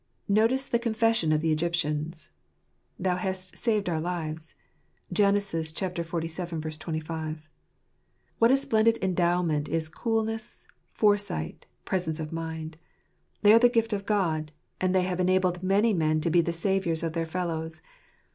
Notice the Confession of the Egyptians. "Thou hast saved our lives" (Gen. xlvii. 25). What a splendid endowment is coolness, foresight, presence of mind ! They are the gift of God ; and they have enabled many men to be the saviours of their fellows.